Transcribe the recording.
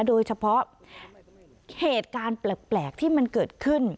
โดยเฉพาะเหตุการณ์แปลกที่มันเกิดขึ้น